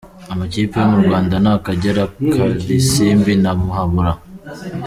Amakipe yo mu Rwanda ni Akagera, Karisimbi na Muhabura.